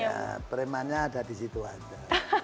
ya pereman nya ada disitu aja